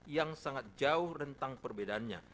yang sangat jauh rentang perbedaannya